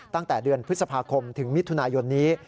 ตั้งแต่เดือนพฤษภาคมถึงมิถุนายนนี้